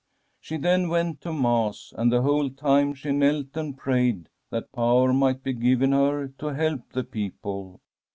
'" She then went to Mass, and the whole time she knelt and prayed that power might be given her to help the people.